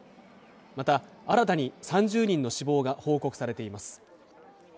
また、新たに３０人の死亡が報告されています。